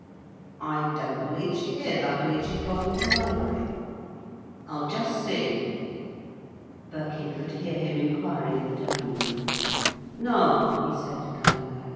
"I don't believe she is. I believe she's gone to the library. I'll just see." Birkin could hear him enquiring in the dining room. "No," he said, coming back.